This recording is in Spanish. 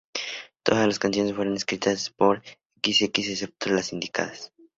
Todas las canciones fueron escritas por The xx excepto las indicadas.